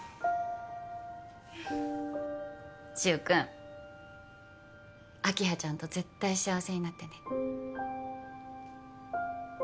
柊君明葉ちゃんと絶対幸せになってね